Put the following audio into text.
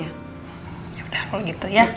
yaudah kalau gitu ya